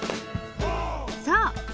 そう！